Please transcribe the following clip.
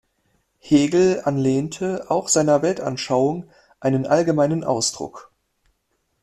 Hegel anlehnte, auch seiner Weltanschauung einen allgemeinen Ausdruck.